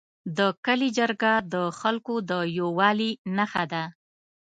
د کلي جرګه د خلکو د یووالي نښه ده.